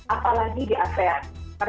apalagi di asean